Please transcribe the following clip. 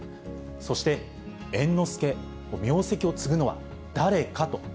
そして、猿之助、名跡を継ぐのは誰かと。